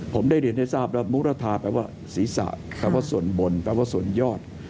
ผมได้เรียนให้ทราบแล้วมุรทาแปลว่าศีรษะแปลว่าส่วนบนแปลว่าส่วนยอด